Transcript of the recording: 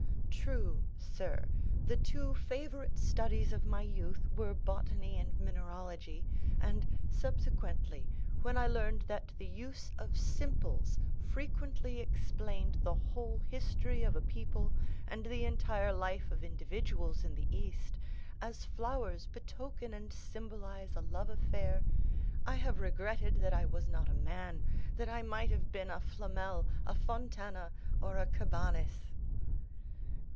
"True, sir. The two favorite studies of my youth were botany and mineralogy, and subsequently, when I learned that the use of simples frequently explained the whole history of a people, and the entire life of individuals in the East, as flowers betoken and symbolize a love affair, I have regretted that I was not a man, that I might have been a Flamel, a Fontana, or a Cabanis."